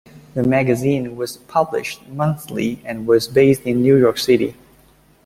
The magazine was published monthly and was based in New York City.